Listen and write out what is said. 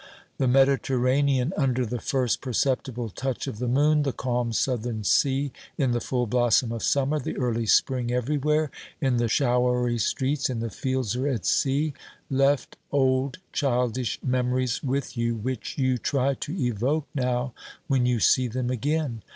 The Mediterranean under the first perceptible touch of the moon, the calm southern sea in the full blossom of summer, the early spring everywhere, in the showery streets, in the fields, or at sea, left old childish memories with you which you try to evoke now when you see them again.